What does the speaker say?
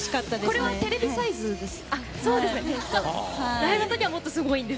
これはテレビサイズです。